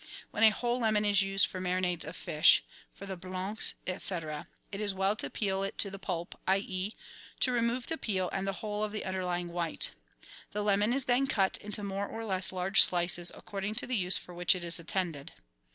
When a whole lemon is used for marinades of fish, for the " bluncs," &c., it is well to peel it to the pulp, i.e., to remove the peel and the whole of the underlying white. The lemon is then cut into more or less large slices, according to the use for which it is intended.